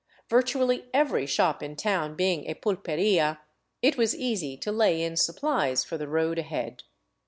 Virtually every shop in town being a pulperia, it was easy to lay in supplies for the road ahead.